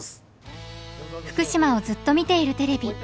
「福島をずっと見ているＴＶ」。